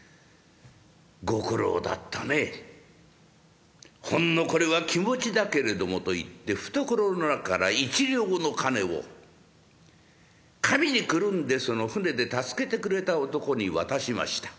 「ご苦労だったねほんのこれは気持ちだけれども」と言って懐の中から一両の金を紙にくるんでその舟で助けてくれた男に渡しました。